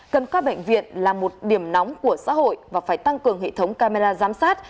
cần coi bệnh viện là một điểm nóng của xã hội và phải tăng cường hệ thống camera giám sát